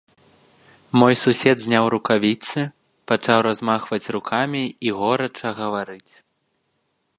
Мой сусед зняў рукавіцы, пачаў размахваць рукамі і горача гаварыць.